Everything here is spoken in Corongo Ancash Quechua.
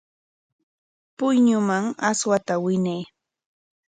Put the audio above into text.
Puyñuman aswata winay.